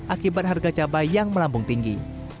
akibat harga cabai yang melambung tinggi